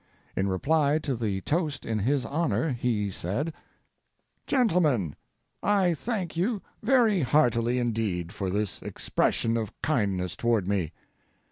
In reply to the toast in his honor he said: GENTLEMEN,—I thank you very heartily indeed for this expression of kindness toward me.